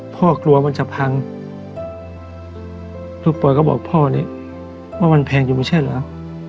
กลัวมันจะพังลูกปอยก็บอกพ่อนี่ว่ามันแพงอยู่ไม่ใช่เหรอ